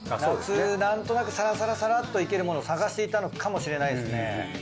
夏なんとなくサラサラサラっといけるものを探していたのかもしれないですね。